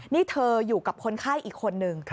นี่เธออยู่กับคนไข้อีกคนนึง